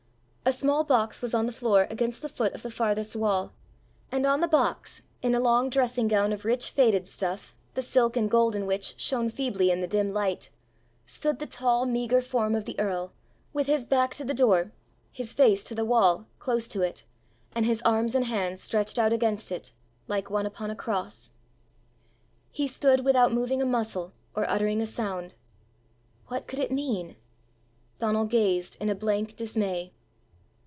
A small box was on the floor against the foot of the farthest wall, and on the box, in a long dressing gown of rich faded stuff, the silk and gold in which shone feebly in the dim light, stood the tall meagre form of the earl, with his back to the door, his face to the wall, close to it, and his arms and hands stretched out against it, like one upon a cross. He stood without moving a muscle or uttering a sound. What could it mean? Donal gazed in a blank dismay.